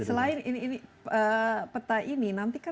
nah selain ini peta ini apa yang anda lakukan